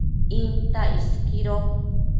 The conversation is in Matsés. Intac isquido